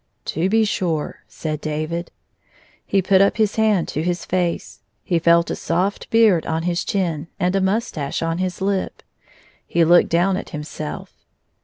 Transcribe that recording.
" To be sure," said David. He put up his hand to his face. He felt a soft beard on his chin and a moustache on his lip. He looked down at him self.